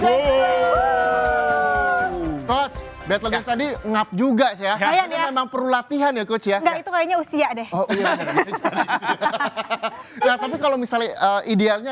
nge rap juga ya memang perlu latihan ya kucil kayaknya usia deh hahaha kalau misalnya idealnya